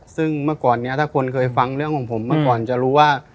ซึ่งเมื่อก่อนนี้ถ้าคนเคยฟังเรื่องของผมมาก่อนจะรู้ว่า